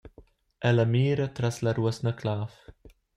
Ella mira tras la ruosna-clav.